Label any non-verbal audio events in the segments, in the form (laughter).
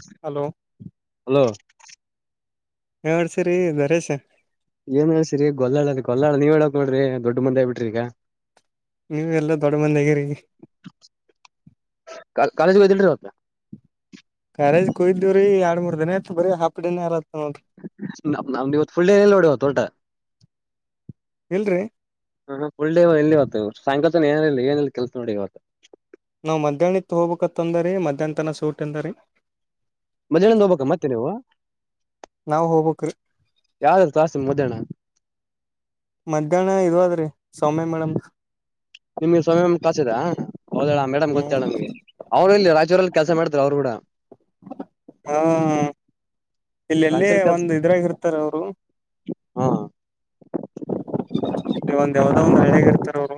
(unintelligible) Hello hello. ಎಂ ನಡ್ಸೀರಿ ದರೇಶ. ಏನ್ ಹೇಸಿರಿ ಗೊಲ್ಲಾಳ ಗಲ್ಲಾಳ ನೀವ ಹೇಳಕ ಹೋಗಬೇಡ್ರಿ ದೊಡ್ಡ ಮದ್ದಿ ಆಗಿ ಬಿಟ್ರಿ ಈಗ. ನೀವ ಎಲ್ಲ ದೊಡ್ಡ ಮಂದಿ ಆಗಿರಿ. ಕಾ ಕಾಲೇಜಗ ಹೋಗಿದ್ರಿಲ್ಲಿ ಇವತ್ತು. ಕಾಲೆಜ್ ಕೊಯ್ದವ್ರೀ ಆಡ್ ಮೂರ್ ದಿನ ಆಯಿತ ಬರೆ ಹಾಫ ಡೇ ಆಗಲಾಕ--. ನಂ ನಮ್ದ ಇವತ್ತು ಫುಲ್ ಡೆ ಇಲ್ಲ ನೋಡ ಇವತ್ತ ಒಟ್. ಇಲ್ರರಿ ಫುಲ್ ಡೇ ಇಲ್ಲ ಇವತ್ತ ಸಾಯ--. ಏನಿಲ್ಲ ಏನಲ್ಲಿ ಕೆಲಸ ನೋಡಿ ಇವತ್ತು. ನಾವ್ ಮಧ್ಯಾಹ್ನ ಇತ್ ಹೋಗ್ಬೇಕತ್ ಅಂದರಿ ಮಧ್ಯಾಹ್ನ ತನ ಸೂಟಿ ಅಂದಾರಿ. ಮಧದ್ಯಾಹ್ನದಿಂದ ಹೋಗ್ಬಬೇಕ ಮತ್ತೆ ನೀವು ನಾವ್ ಹೋಗ್ಬೇಕ್ರಿ ಯಾವಾದ ಕ್ಲಾಸ ಮಧ್ಯಾಹ್ನ. ಮಧ್ಯಾಹ್ನ ಇದು ಅದ್ರಿ ಸೌಮ್ಯ ಮೇಡಮ್. ನಿಮ್ಗೆ ಸ್ವಯಂ ಕ್ಲಾಸ್ ಆದ ಹೌದ ಆ ಮೇಡಮ್ ಗೊತ್ತು ಹ್ಮ್ ಹೇಳು ನನಗೆ. ರಾಯಚೂರಲ್ ಕೆಲಸ ಮಾಡ್ತಿದ್ದೆ ಅವರು ಗೂಡ. ಹಾ ಇಲ್ಲೆಲ್ಲೇ ರಾಯಚೂರ್ ಕೆಲ್ಸ ಒಂದ ಇದ್ರಾಗಿರ್ತಾರ ಅವರು. ಹಾ. ನೀ ಒಂದ ಯಾವ್ದೋ ಒಂದ್ ಹಳ್ಳಿಯಾಗ ಇರ್ತಾರ ಅವರು.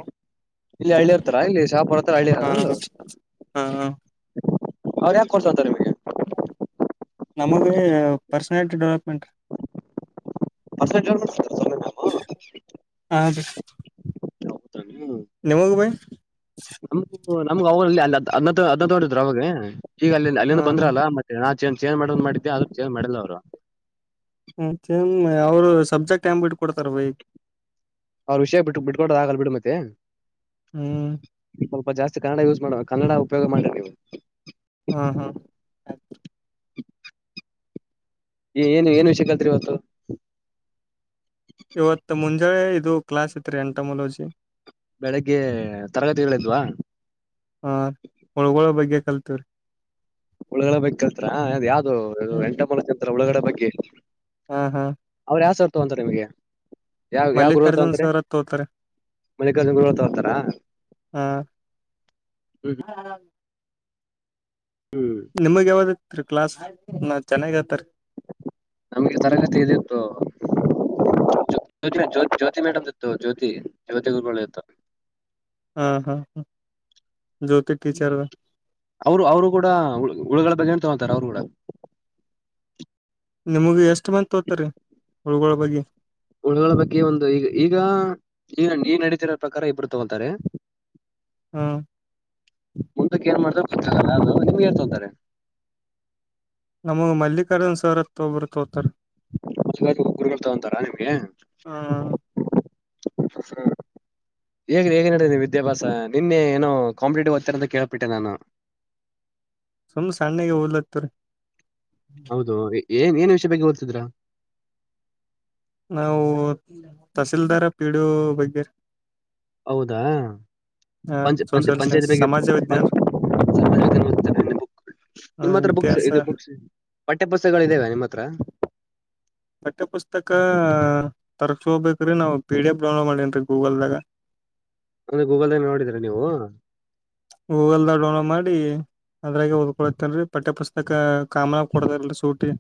ಇಲ್ಲಿ ಹಳ್ಳಿರ್ತಾರ ಇಲ್ಲಿ ಶಾಪುರ ಹತ್ರ ಹಳ್ಳಿ ಹಾ ಅವರದು. ಹಾ ಹಾ ಅವರು ಯಾಕೆ ಕೊಡುಸ್ತಾರೆ ನಿಮಗೆ. ನಮಗೆ ಪರ್ಸನಾಲಿಟಿ ಡೆವಲಪ್ಮೆಂಟ್. ಹಾ (unintelligible) ನಿಮಗ ಭೈ ಹ್ಮ್ (unintelligible) ಈಗ ಅಲ್ಲಿಂದ ಹಾ ಅಲ್ಲಿಂದ ಬಂದ್ರ ಹಾ ಅಲ್ಲ ಮತ್ತೆ ನಾ ಚೇಂಜ್ ಚೇಂಜ್ ಮಾಡರ ಮಾಡಿದ್ದೆ ಅದಕ್ಕೆ ಚೇಂಜ್ ಮಾಡಿಲ್ಲ ಅವರು ಮತ್ತೆ ಚೇಂಜ್ ಅವರು ಸಬ್ಜೆಕ್ಟ್ ಹೆಂಗ್ ಬಿಟ್ ಕೊಡ್ತಾರ ಬೈ ಅವರು ವಿಷಯ ಬಿಟ್ಟ ಬಿಡ್ಕೋದ ಬಿಡ ಮತ್ತೆ ಹ್ಮ್ ಸ್ವಲ್ಪ ಜಾಸ್ತಿ ಕನ್ನಡ ಯೂಸ್ ಮಾಡುವ ಕನ್ನಡ ಉಪಯೋಗ ಮಾಡ್ರಿ ನೀವು ಹಾ ಹಾ (unintelligible) ಏ ಏನು ಏನ್ ವಿಷಯ ಕಲ್ತ್ರಿ ಇವತ್ತು ಇವತ್ ಮುಂಜಾಲೆ ಇದು ಕ್ಲಾಸ್ ಇತ್ರಿ ಎಂಟಮೊಲಜಿ ಬೆಳಿಗ್ಗೆ ತರಗತಿಗಳಿದ್ವ? ಕಲ್ತಿವ್ರೀ ಹುಳುಗಳು ಬಗ್ಗೆ ಕಲ್ತ್ರ ಅದ್ ಯಾವ್ದು ಎನ್ತಮೋಲೋಜಿ ಅಂತ ಹುಳುಗಳು ಬಗ್ಗೆ ಹಾ ಹಾ ಅವ್ರ ಯಾವ್ ಸರ್ ತಗೊಂತರ ನಿಮಗೆ ಯಾವ ಯಾವ ಗುರುಗಳು ಮಲ್ಲಿಕಾರ್ಜುನ್ ತೊಂತಾರೆ ಸರ್ ತೋತಾರೆ ಮಲ್ಲಿಕಾರ್ಜುನ್ ಗರುಗಳು ತೋಂತರಾ ಹಾ ಹ್ಮ್ ಹ್ಮ್ ತ್ರಿ ಕ್ಲಾಸ್ ಚೆನ್ನಾಗಿ ಹೇಳ್ತಾರೆ ನಮ್ಗೆ ತರಗತಿ ಇದು ಇತ್ತು ಜ್ಯೋತಿ ಮೇಡಂ ಇತ್ತು ಜ್ಯೋತಿ ಜ್ಯೋತಿ ಗುರುಗಳುದು ಇತ್ತು ಹಾ ಹಾ ಹಾ ಜ್ಯೋತಿ ಟೀಚರ್ದ ಅವರು ಅವರು ಗೂಡ ಉಳುಗುಳ ಬಗ್ಗೆನೆ ತಗೊಂತಾರೆ ಅವ್ರು ಗೂಡ ನಿಮಗ ಎಷ್ಟ್ ಮಂದಿ ತೋತರಿ ಹುಳ್ಗಳ ಬಗ್ಗೆ ಹುಳುಗಳ ಬಗ್ಗೆ ಒಂದು ಈಗ ಈಗ ಈಗ ನಡೀತಿರೋ ಪ್ರಕಾರ ಇಬ್ಬರು ತಗೋತಾರೆ ಹಾ ಮುಂದಕ್ಕೆ ಏನ್ ಮಾಡ ನಿಮಗೆ ಏನ್ ತಗೋತಾರೆ ನಮಗ ಮಲ್ಲಿಕಾರ್ಜುನ್ ಸರ್ ಅಂತ ಒಬ್ರು ತೋತಾರ ಗುರುಗಳು ತಗೊಂತಾರಾ ನಿಮ್ಗೆ ಹಾ ಹ ಹೇಗ ಹೇಗ ನಡಿತಾ ಇದೆ ವಿದ್ಯಾಭ್ಯಾಸ ನಿನ್ನೆ ಏನೋ ಕಾಂಪಿಟೇಟಿವ್ ಓದ್ತಾ ಇದೀರಾ ಅಂತ ಕೇಳಪಟ್ಟೆ ನಾನು ಸುಮ್ ಸಣ್ಣಾಗಿ ಓದ್ಲತಿವಿರಿ ಹೌದು ಏನ್ ಏನ್ ವಿಷಯ ಬಗ್ಗೆ ಓದ್ತಿದ್ರ ನಾವು ತಹಸೀಲ್ದಾರ ಪಿ ಡಿ ಓ ಬಗ್ಗೆ ಹೌದಾ ಪಂಚ್ ಪಂಚ್ ಸೋಷಿಯಲ್ ಪಂಚಾಯತಿ ಸೈನ್ಸ್ ಬಗ್ಗೆ ಸಮಾಜ ವಿಜ್ಞಾನ ಪಂಚಾಯಿತಿ ಬಗ್ಗೆ ಓದ್ತಿರೇನ್ ನೀವು ನಿಮ್ಮ ಹತ್ರ ಬುಕ್ಸ್ ಇತಿಹಾಸ ಇದು ಬುಕ್ಸ್ ಪಠ್ಯ ಪುಸ್ತಕಗಳು ಇದವ ನಿಮ್ಮ ಹತ್ರ ಪಠ್ಯ ಪುಸ್ತಕ ತರಿಸಿಗೋಬೇಕು ರೀ ನಾವು ಪಿ ಡಿ ಎಫ್ ಡೌನ್ಲೋಡ್ ಮಾಡೇನ್ ರೀ ಗೂಗಲ್ದಾಗ ಅಂದ್ರೆ ಗೂಗಲ್ ನೋಡಿದ್ರ ನೀವು ಗೂಗಲ್ದಾಗ ಡೌನ್ಲೋಡ್ ಮಾಡಿ ಅದ್ರಾಗೆ ಓದ್ಕೊಳತನ ರೀ ಪಠ್ಯ ಪುಸ್ತಕ ಕಾಮನ್ ಆಗಿ ಕೊಡದಿಲ್ಲಿ ರಿ ಸೂಟಿ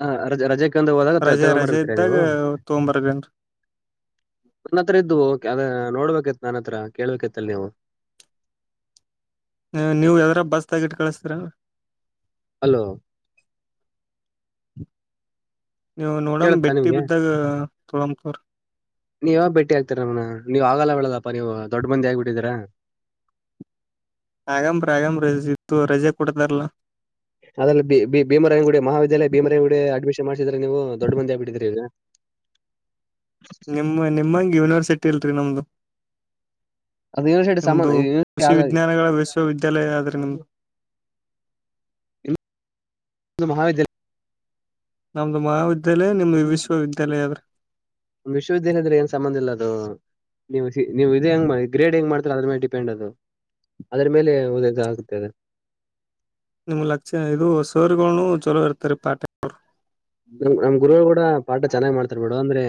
ಹ ರಜ ರಜೆಕಂದು ಹೋದಾಗ ರಜೆ ರಜೆ ತಗೊಂಬರ್ಬತೀರ ಇದ್ದಾಗ ನೀವು ತೊಗೊಂಬರದೇನ್ರಿ ನನ್ನ ಹತ್ರ ಇದು ಅದ ನೋಡ್ಬೇಕಿತ್ತು ನನ್ ಹತ್ರ ಕೇಳ್ ಬೇಕೇತ್ತಲ್ಲ ನೀವು ಹ ನೀವು ಯಾವದರ ಬಸ್ ತಗಿಟ್ಟ ಕಳಸ್ತೀರ ಹಲೋ ನೀವು ನೋಡಮ್ಮ್ ಬಿಟ್ಟಿ ಬಿದ್ದಾಗ ತೊಗೊಳಂ ತೊಗೋರಿ ನೀವು ಯಾವಾಗ ಭೇಟಿ ಆಗ್ತರ ನನ್ ನೀವ್ ಆಗಲ್ಲ ಹೇಳದಪ್ಪಾ ನೀವು ದೊಡ್ಡ ಮಂದಿ ಆಗ್ಬಿಟ್ಟಿದಿರ ಅಗಂಬ್ರ ಆಗಂಬ್ರ ಇತ್ತು ರಜೆ ಕೊಡತಾರಲ್ಲಾ ಅದ್ರಲ್ಲಿ ಬಿ ಬಿ ಭೀಮರಾಯಾಗುಡಿ ಮಹಾವಿದ್ಯಾಲಯ ಭೀಮರಾಯಗುಡಿ ಅಡ್ಮಿಷನ್ ಮಾಡಸಿದ್ರೆ ನೀವು ದೊಡ್ಡ ಮಂದಿ ಆಗ್ಬಿಟ್ಟಿದೀರಾ ಈಗ ನಿಮ್ಮ ನಿಮ್ಮಂಗೆ ಯೂನಿವರ್ಸಿಟಿ ಇಲ್ರಿ ನಮ್ದು ಅದು ಯೂನಿವರ್ಸಿಟಿ ಸಾಮಾನ್ ನಮ್ದ ಯೂನಿವರ್ಸಿಟಿ ಕೃಷಿ ಆಗ ವಿಜ್ಞಾನಗಳ ವಿಶ್ವವಿದ್ಯಾಲಯ ಆದ್ರೆ ನಿಮ್ದು ನಿಮ್ದು ಮಹಾವಿದ್ಯಾಲಯ ನಮ್ದು ಮಹಾವಿದ್ಯಾಲಯ ನಿಮ್ದು ವಿಶ್ವವಿದ್ಯಾಲಯ ಆದ್ರೆ ವಿಶ್ವವಿದ್ಯಾಲಯದಲ್ಲಿ ಏನ್ ಸಂಬಂಧ ಇಲ್ಲ ಅದು ನೀವು ನೀವು ಇದೆ ಹೆಂಗ ಮಾಡಿ ಗ್ರೇಡ್ ಹೆಂಗ್ ಮಾಡ್ ಅದ್ರ ಮೇಲೆ ಡಿಪೆಂಡ್ ಅದು ಅದ್ರ ಮೇಲೆ ಅದ ಆಗುತ್ತೆ ಅದು ನಿಮ್ಮ ಲಚಾರ್ ಇದು ಸರ್ ಗಳು ಚಲೋ ಇರ್ತಾರೀ ಪಾಟೆ ಅವರು ನಮ್ ನಮ್ ಗುರುಗಳು ಕೂಡ ಪಾಠ ಚೆನ್ನಾಗ್ ಮಾಡ್ತಾರ್ ಬಿಡು ಅಂದ್ರೆ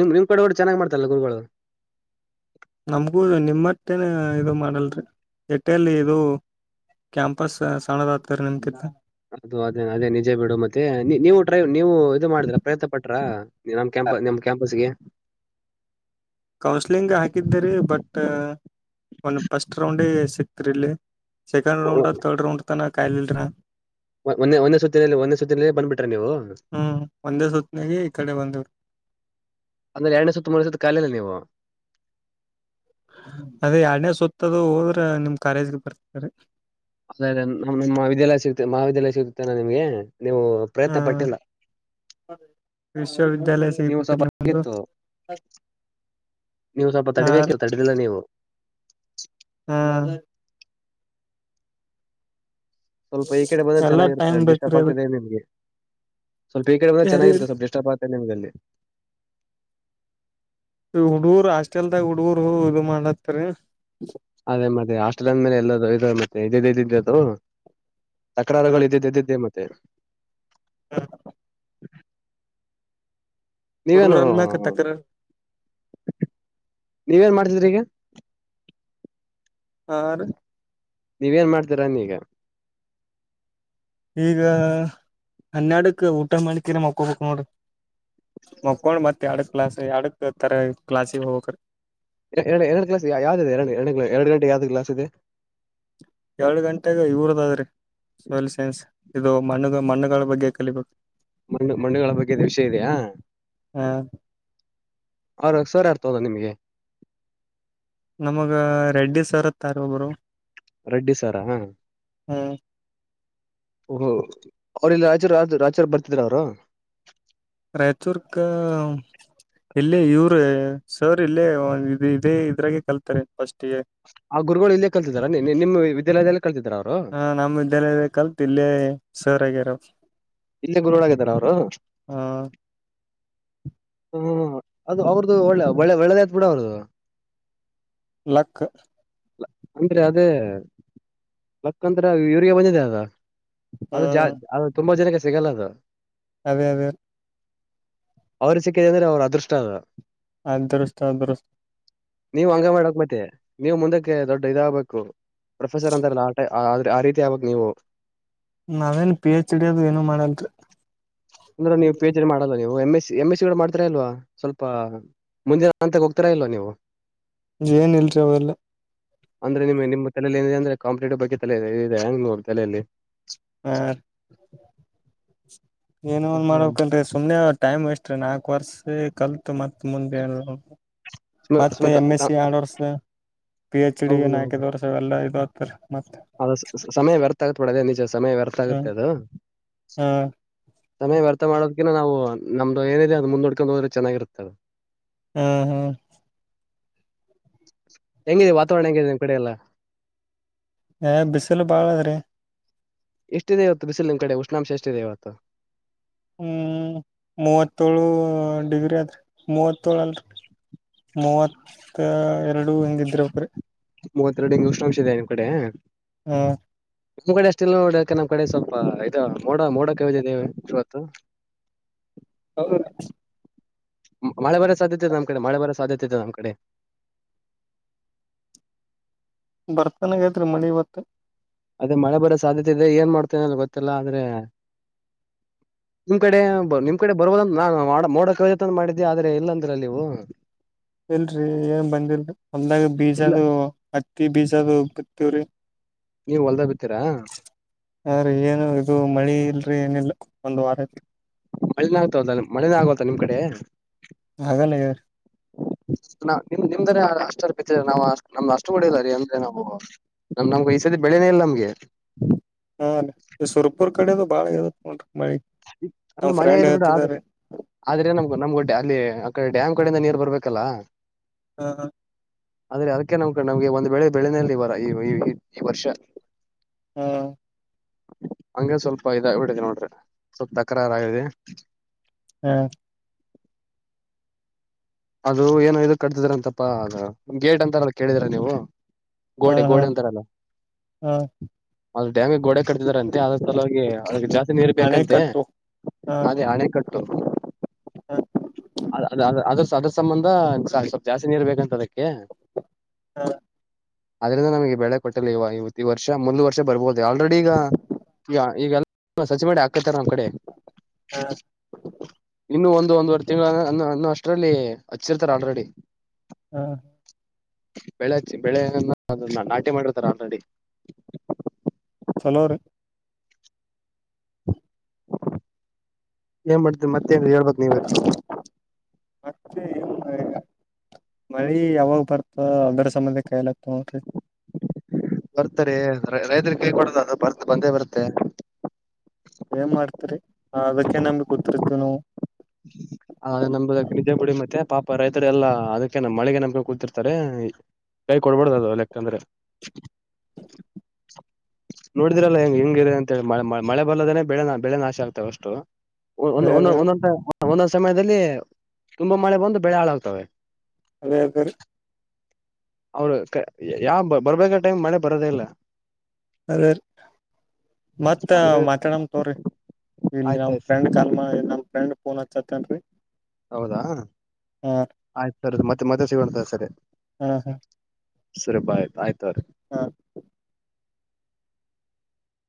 ನಿಮ್ ನಿಮ್ ಕಡೆಯವ್ರು ಚೆನ್ನಾಗ್ ಮಾಡ್ತಾರಲ್ಲ ಗುರುಗಳು ನಮ್ಗೂ ನಿಮ್ಮಟ್ಟೇನ ಇದು ಮಾಡಲ್ರಿ ಎಟ್ಟೇಲ್ಲಿ ಇದು ಕ್ಯಾಂಪಸ್ ಸಣ್ಣ ದಾಗತಾರ ನಿಮ ಕಿತ್ತ ಅದು ಅದೇ ಅದೇ ನಿಜೇ ಬಿಡು ಮತ್ತೆ ನೀವು ಡ್ರೈವ್ ನೀವು ಇದು ಮಾಡಿದಿರ ಪ್ರಯತ್ನ ಪಟ್ರ ನಮ್ ಕ್ಯಾಂಪ ನಮ್ ಕ್ಯಾಂಪಸ್ಗೆ ಕೌನ್ಸ್ಲಿಂಗ್ ಹಾಕಿದ್ದೀರಿ ಬಟ್ ಸಿಕ್ಕ್ರಲೆ ಸೆಕಂಡ್ ರೌಂಡ ತರ್ಡ್ ರೌಂಡ್ ತಾನ ಕಾಯಲಿಲರಾ ಒನ್ನೆಂದೇ ಸುತ್ತಿನ ಒಂದೇ ಸುತ್ತಿನಲ್ಲೇ ಬಂಬಿಡ್ತ್ ಹ್ಮ್ ಒಂದೇ ಸತ್ನಾಗ ಈ ಕಡೆ ಬಂದೆವು ಅಂದ್ರೆ ಎರಡನೇ ಸುತ್ತ ಮೂರು ಸುತ್ತ ಕಯ್ಲಿಲ್ಲಾ ನೀವು ಅದೇ ಎರಡನೇ ಸುತ್ತದು ಹೋದ್ರ ನಿಮ್ ಕಾಲೇಜ್ಗೆ ಬರ್ತಾರೆ ಅದೇ ನಿಮ್ ವಿದ್ಯಾಲಯ ಸಿಗುತ್ತ ಮಹಾವಿದ್ಯಾಲಯ ಸಿಗುತ್ತೆನಾ ನಿಮ್ಗೆ ನೀವು ಪ್ರಯತ್ನ ಹ್ಮ್ ಪಟ್ಟಿಲ್ಲ. ವಿಶ್ವವಿದ್ಯಾಲಯ ನೀವು ಸಿಗತೈತ್ರಿ ಸ್ವಲ್ಪ ನಿಮ್ದು ನೀವು ಸ್ವಲ್ಪ ಹಾ ತಡಿಬೇಕಿತ್ತು ತಡೆದಿಲ್ಲ ನೀವು ಹಾ ಸ್ವಲ್ಪ ಈ ಕಡೆ ಬಂದ್ರೆ ಎಲ್ಲಾ ಟೈಮ್ ಚೆನ್ನಾಗಿರ್ತದೆಲ್ಲಿ ಡಿಸ್ಟರ್ಬ್ ಬೇಕ್ರಿ ಅದಕ್ ಆಗ್ತದೆ ನಿಮ್ಗೆ ಸ್ವಲ್ಪ ಈ ಕಡೆ ಬಂದ್ರೆ ಯಾರಿಗ್ ಚೆನ್ನಾಗಿರ್ತದೆ ಸ್ವಲ್ಪ ಡಿಸ್ಟರ್ಬ್ ಆಗ್ತದೆ ನಿಮ್ಗೆ ಅಲ್ಲಿ. ಹುಡುಗರು ಹಾಸ್ಟೆಲ್ದಾಗ ಹುಡುಗರು ಇದು ಮಾಡತ್ತರಿ. ಅದೇ ಮತ್ತೆ ಹಾಸ್ಟೆಲ್ ಅಂದ ಮೇಲೆ ಎಲ್ಲ ಇ ಮತ್ತೆ ಇದ ಇದ ಇದದು. ತಕ್ರುಗಳು ಇದ್ದ ಇದ್ದಿದ್ದೆ ಮತ್ತೆ. ತ್ತ (inaudible) ಹ್ಮ. ಹುಡುಗರ್ ನೀವೇನು ಅಂದ್ಮ್ಯಾಕ ಟಕರ್ ನೀವೇನ್ ಮಾಡ್ತ. (inaudible) ಆ (inaudible) ನೀವ ಏನ್ ಮಾಡ್ತೀರಾ ಅನ್ನಿ ಈಗ ಈಗ ಹನ್ನೆರಡಕ್ ಊಟ ಮಾಡಕಿರ ಮಕ್ಕೊಬೇಕ್ ನೋಡ್ರಿ ಮಕೊಂಡ್ ಮತ್ ಎರಡ ಕ್ಲಾಸ್ ಎರಡಕ್ ತರ ಕ್ಲಾಸಿಗೆ ಹೋಗ್ಬೇಕ್ರ. ಎರಡು ಎರಡು ಕ್ಲಸ್ ಯಾವ್ದದೆ ಎರಡು ಎರಡು ಎರಡು ಗಂಟ ಯಾವ್ದೂ ಇಲ್ಲ ಅನ್ಸುತ್ತೆ ಎರಡು ಗಂಟೆಗ ಇವರದದೇ ರೀ ಸೋಯಲ್ ಸೈನ್ಸ್ ಇದು ಮಣ ಮಣ್ಣುಗಳ ಬಗ್ಗೆ ಕಲಿಬೇಕು. ಮಣ್ಣು ಮಣ್ಣುಗಳ ಬಗ್ಗೆ ದ ವಿಷಯ ಇದೆಯಾ ಹ ಅವ್ರ ಹರ್ಷ ರು ಯಾವ್ದೂ ತಗೊದ ನಿಮ್ಗೆ. ನಮಗ ರೆಡ್ಡಿ ಸರ್ ಬರ್ತಾರೆ ಬ್ರೋ ರೆಡ್ಡಿ ಸಾರ ಹಾ. ಹ್ಮ. ಓ ಅವ್ರ ಇಲ್ಲಿ ರಾಜರು ರಾಜರು ಬರ್ತಿದ್ರ ಅವರು. ರಾಯಚೂರ್ ಕ ಇಲ್ಲೇ ಇವರು ಸರ್ ಇಲ್ಲೇ ಇದ ಇದೇ ಇದ್ರಾಗೆ ಕಲ್ತಾರೆ ಫಸ್ಟ್. ಆ ಗುರುಗಳು ಇಲ್ಲೇ ಕಲ್ತಿದಾರ ನಿಮ್ಮ ವಿದ್ಯಾಲಯದಲ್ಲಿ. ಹ ನಮ್ ವಿದ್ಯಾಲಯದಲ್ಲೇ ಕಲ್ತ್ ಇಲ್ಲೇ ಸರ್ ಆಗ್ಯರ. ಇಲ್ಲೇ ಗುರುಳಾಗಿದರ ಅವರು. ಹ ಹ ಅದು ಅವ್ರದ್ದು ಒಳ್ಳೆ ಒಳ್ಳೆ ಒಳ್ಳೆದ್ ಆತ್ ಬಿಡ ಅವ್ರದು. ಲಕ್ ಅಂದ್ರೆ ಅದೇ ಲಕ್ ಅಂದ್ರೆ ಯೂರಿಯಾ ಬಂದಿದೆ ಅದ. ಅದು ಜಾ ಹ್ಮ್ ಅದು ತುಂಬಾ ಜನಕ್ಕೆ ಇಷ್ಟ ಸಿಗಲ್ಲದ. ಅದೇ ಅದೇ. ಅವ್ರಿಗೆ ಸಿಕ್ಕಿತೇ ಅಂದ್ರೆ ಅವ್ರ ಅದೃಷ್ಟ ಅದ. ಅದೃಷ್ಟ ಅದೃಷ್ಟ ನೀವ್ ಹಂಗ ಮಾಡಕ್ ಮತ್ತೆ ನೀವು ಮುಂದಕ್ಕೆ ದೊಡ್ಡ ಇದಾಗಬೇಕು. ಪ್ರೊಫೆಸರ್ ಅಂತರಲ್ಲ ಆಟೈ ಆ ಆದ್ರೆ ಆ ರೀತಿ ಯಾವಾಗ ನೀವು. ನಾವೇನ್ ಪಿ ಎಚ್ ಡಿ ಅದು (inaudible) ಅಂದ್ರೆ ನೀವು ಪಿ ಎಚ್ ಡಿ ಮಾಡಲ್ಲ ನೀವು M S. M S C ಕೂಡ ಮಾಡ್ತಿರಾ ಇಲ್ವಾ ಸ್ವಲ್ಪ ಮುಂದಿನ ಹಂತಕ್ಕೆ ಹೋಗ್ತಾರಾ ಇಲ್ವಾ ನೀವು. ಏನ್ ಇಲ್ರಿ ಅವೆಲ್ಲ ಅಂದ್ರೆ ನಿಮ್ ನಿಮ್ಮ ಏನಿದೆ ಅಂದ್ರ ಕಂಪೆಟ್ಟಿವ್ ಬಗ್ಗೆ ತಲೆ ಇದೆ ಹೆಂಗ್ ತಲೆಯಲ್ಲಿ ಹ ಏನೋನ್ ಮಾಡ್ಬೇಕಣ್ರೀ ಸುಮನೆ ಟೈಮ್ ವೇಸ್ಟ್ ನಾಕು ವರ್ಷ ಕಲ್ತು ಮತ್ ಮುಂದೆ ಸುಮ ಸುಮ ಮತ್ತೆ ಎಮ್ ಎಸ್ ಸಿ ಎಡ್ವರ್ಷ್ನಾ ಪಿ ಹೆಚ್ ಕಿಡಿ ನಾಯ್ಕದವರ್ಸ ಎಲ್ಲ ಇದು ಆತ್ತ ಅದ ಸಮಯ ವ್ಯರ್ಥ ಆಗತ್ಬೂಡದೆ ನಿಜ, ಸಮಯ ವ್ಯರ್ಥ ಆಗುತ್ತೆ ಹ್ಮ್ ಅದು ಹ್ಮ್ ಸಮಯ ವ್ಯರ್ಥ ಮಾಡೋದ್ಕಿಂತ ನಾವು ನಮ್ದು ಏನಿಲ್ಲ ಅದು ಮುಂದೋಡ್ಕೊಂಡು ಹೋದ್ರೆ ಚೆನ್ನಾಗಿರುತ್ತೆ ಅದು ಹ್ಮ್ ಹ್ಮ್ ಹೆಂಗಿದೆ ವಾತಾವರಣ ಹೆಂಗಿದೆ ನಿಮ್ಮ ಕಡೆೆಯ ಎಲ್ಲ ಬಿಸಿಲು ಬಾಳ ಅದ್ರಿ ಎಷ್ಟಿದೆ ಇವತ್ತು ಬಿಸಿಲ್ ನಿಮ್ಮ್ ಕಡೆ ಉಷ್ಣಾಂಶ ಎಷ್ಟಿದೆ ಇವತ್ತು. ಹ್ಮ್ ಮೂವತ್ತೋೇಳು ಡಿಗ್ರಿ ಅದ್ರ ಮೂವತ್ತೇಳು ಅಲ್ ಚು ಚು ಮೂವತ್ತ ಎರಡು ಹೀಂಗಿದ್ರೆಕ್ರೀ ಮೂವತ್ತೆರಡು ಹಿ್ ಉಷ್ಣಾಂಶ ಇದೆ ನಿಮಮ್ಮ ಕಡೆ ಹ್ಮ್ ನಿಮ್ಮ್ ಕಡೆ ಅಷ್ಟ ಇಲ್ ನೋಡಕ ನಮ್ ಕಡೆ ಸ್ವಲ್ಪ ಇದು ಮೋಡ ಮೋಡಕಿದ್ದವೆ ಇವತ್ತು ಹೌ ಮಳೆ ಬರ ಸಾಧ್ಯತೆತೆ ನಮ್ಮ್ ಕಡೆ ಮಳೆ ಬರ ಸಾಧ್ಯತೆ ಇತೆದೆ ನಮ್ಮ್ ಕಡೆ ಬರ್ತನಾಗಐತ್ರಿ ಮಡಿಿ ಇವತ್ತು ಅದೇ ಮಳೆ ಬರೋ ಸಾಧ್ಯತೆ ಇದೆ ಏನ್ ಮಾಡ್ತೇನೆ ಅ ಗೊತ್ತಲ್ಲ ಆದ್ರೆ ನಿಮ್ ಕಡೆ ನಿಮ್ ಕಡೆ ಬರ್ಬದ ನಾು ಮೋಡಕ ಮಾಡಿದ್ದೆ ಆದ್ರೆ ಇಲ್ಲ ಅಂದ್ರ ನೀವು ಇಲ್ರರಿ ಏನ್ ಬಂದಿಲ್ರಿ ಹೊಂದಾಗ ಇಲ್ಲ ಬೀಜದ ಹತ್ತಿ ಬೀಜ ಅದು ತವರಿ ನೀವು್ ಹೊಲ್ದ ಬಿ ಹ್ರೀ ಏನು ಇದು ಮಳಿ ಇಲ್ರಿ ಏನಿಲ್ಲ, ಒಂದು ವಾರ ಮಳೆನಾಗಗ್ತದ ಮಳೆನ ಆಗ ನಿಮ್ ಕಡೆ ಹಾಗಲ್ಲ ಮ್ ನಿಮ್ದ ಅಷ್ಟ ಅರ್ಪ ನಾ್ ನಮ್ದ್ ಅಷ್ಟು ಹೊಡಿಲ್ಲ ರೀ ಅಂದ್ರೆ ನಾವು ನಮ್ ನಮ್ಗೆ ಈ ಸದ ಬೆಳೆನೇ ಇಲ್ಲ ನಮ್ಗೆ ಹಾ ಈ ಸುರ್ಪುರ್ ಕಡೆದು ಬಾಳ ಇತ್ ನೋಡ್ರಿ ಮಳಿ ನಮ್ ಅಲ್ಲ ಮಳೆ ಫ್ರೆಂಡ್ ಆಯ್ ಬಿಟ್ಟ ಆದ್ರ ಹೇಳ್ತಿದಾರ್ರಿ ಆದ್ರೆ ನಮಗು ನಮ್ ಗಡ್ ಅಲ್ಲಿ ಆಡೆ ಡ್ಯಾಮ್ ಕಡೆಯಿಂದ ನೀರ್ ಬರ್ಬೇಕಲ್ಲ. ಹಾ ಹಾ ಆದ್ರೆ ಅದಕ್ಕೆ ನಮ್ ಕ ನಮ್ಗೆ ಒಂದ್ ಬೇಳೆ ಬೆಳೆನೆಯಲ್ಲಿ ಬರ ಈ ಈ ಈ ವರ್ಷ ಹಾ ಹಂಗ ಸ್ವಲ್ಪ ಇದ ಬಿಡಿದೆ ನೋಡ್ರಿ ಸ್ವಲ್ಪ ತಕರಾರಗಿದೆ. ಹ್ಮ ಅದು ಏನೋ ಇದು ಕಟ್ತಿದ್ರ ಅಂತಪ್ಪಾ ಅ ಗೇಟ್ ಅಂತಾರ ಕೇಳಿದ್ರ ನೀವು ಹಾ ಗೋಡೆ ಹಾ ಗೋಡೆ ಅಂತಾರಲ್ಲ ಹಾ ಅ ಡ್ಯಾಮಗೆ ಗೋಡೆ ಕಟ್ತಿದಾರಂತೆ ಅದ್ರ ಸಲ ಹೋಗಿ ಅ ಜಾಸ್ತಿ ನೀರು ಬೇಕಂತೆ ಅಣೆಕಟ್ಟು ಹಾ ಅದೇ ಹಣೆ ಕಟ್ (unintelligible) ಹಾ ಅ ಅದ ಅದ ಸಂಬಂಧ ಸ್ವಲ್ಪ ಜಾಸ್ತಿ ನೀರ್ ಬೇಕಂತ ಅದಕ್ಕೆ ಹಾ ಅದ್ರಿಂದ ನಮಗೆ ಬೆಳೆ ಕೊಟ್ಟಲ್ಲ ಇವ ಇವತ್ತು ಈ ವರ್ಷ ಮುಂದಿನ ವರ್ಷ ರ್ಬಹುದು ಆಲ್ರೆಡಿ ಈಗ ಈಗೆಲ್ಲ ಸಸಿ ಮಾಡಿ ಹಾಕತಾರ ಕಡೆ ಹಾ ಇನ್ನು ಒಂದು ಒಂದುವರೆ ತಿಂಗಳ ಅನ್ನ ಅಷ್ಟ ಅಷ್ಟ್ರಲ್ಲಿ ಹಚ್ಚಿರ್ತಾರೆ ಆಲ್ರೆಡಿ ಹಾ ಬೆಳೆಚ್ಚಿ ಬೆಳೆನ್ನ ಅ ನಾಟಿ ಮಾಡಿರ್ತಾರೆ ಆಲ್ರೆಡಿ ಚಲೋರೀ ಏನ್ ಮಾಡ್ತ ಮತ್ತೆ ಹೇಳ್ಬೇಕ್ ನೀವೇ ಮತ್ತೆ ಮಳಿ ಯಾವಾಗ ಬರ್ತ ಅದರ ಸಮಬಂಧಕಾಯಲತ ನರಿ ಬರ್ತಾರೆ ರೈತರಿಗೆ ಕೈ ಕೊಡೋದ ಅದು ಬರ್ತ ಬಂದೇ ಬರುತ್ತೆ ಏನ್ ಮಾಡ್ತರಿ ಅದಕ್ಕೆೇ ನಮ್ಗ್ ಗೊತ್ತಿರ್ತವಿ ನಾವು ಹ ನಮ ನಿಜ ಗುಡಿ ಮತ್ತೆ ಪಾಪ ರೈತರು ಎಲ್ಲಾ ಅದಕ್ಕೆನಮಳೆಗೆ ನಂಬಿಕೊಂಡು ಕೂತಿರ್ತಾರೆ ಕೈ ಕೊಡ್ಬಾರಡ್ದ ಅದು ಲೆಕ್ಕಂದ್ರೆ ನೋಡಿದ್ರಲ್ಲ ಹೆಂಗ್ ಹೆಂಗಿದೆ ಅಂತೇಳಿ ಮಳೆ ಬರ್ದೇನೆ ಬೆಳೆ ಬೆಳೆ ನಾಶ ಆಗ್ತವೆ ಅಷ್ಟು ಒ ಒಂದು ಅದೇ ಒಂದು ಅದೇ ರೀ ಒಂದೊಂಟ ಒಂದೊಂದು ಸತಿ ಸಮಯದಲ್ಲಿ ತುಂಬಾ ಮಳೆ ಬಂದು ಬೆಳೆ ಹಾಳಾಗ್ತವೆ ಅದೇ ಬೇರೇ ಅವ್ರ ಯಾವ ಬರ್ಬೇಕ ಟೈಮ್ ಮಳೆ ಬರೋದೇ ಇಲ್ಲ ಅದೀ ಮತ್ತ ಹಂಗ ಮಾತಾಡಮ ತಗೋರಿ ಇಲ್ಲಿ ನಮ್ಮ್ ಆಯ್ತಾಯ್ತು ಫ್ರೆಂಡ್ ಕಲ್ಮ ನ ಫ್ರೆಂಡ್ ಫೋನ್ ಹಚ್ಚತೇನ್ರಿ ಹೌದಾ ಆಯ್ತು ಸರ್ದು ಮತ್ತೆ ಸಿಗೋಣ ಸರಿ ಹಾ ಹಾ ಸರಿ ಬೈ ಆಯ್ತು ತಗೋರಿ ಹಾ